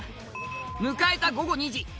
迎えた午後２時。